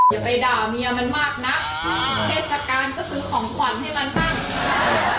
อย่าไปด่าเมียมันมากนะเกษตรการจะซื้อของขวัญให้มันตั้ง